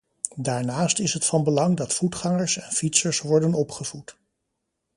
Daarnaast is het van belang dat voetgangers en fietsers worden opgevoed.